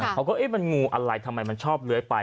เขาก็เอ๊ะมันงูอะไรทำไมมันชอบเลื้อยไป